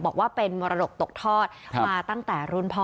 บอกว่าเป็นมรดกตกทอดมาตั้งแต่รุ่นพ่อ